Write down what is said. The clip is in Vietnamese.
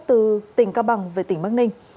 từ tỉnh cao bằng về tỉnh bắc ninh